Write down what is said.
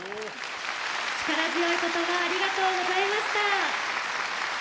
力強い言葉ありがとうございました。